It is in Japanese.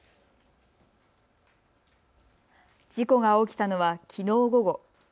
事故が起きたのは、きのう午後。